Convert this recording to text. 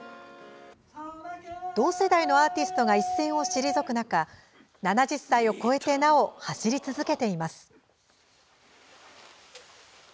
同世代のアーティストが一線を退く中７０歳を超えてなお走り続けています。